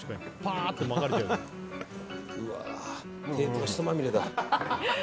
うわ、テーブルがシソまみれだ。